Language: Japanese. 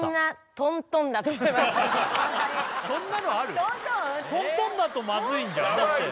トントンだとマズいんじゃん？